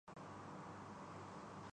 Denmark